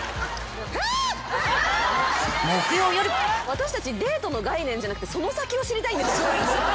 私たちデートの概念じゃなくてその先を知りたいんですよ。